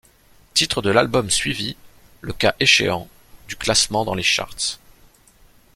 Titre de l'album suivi, le cas échéant, du classement dans les charts.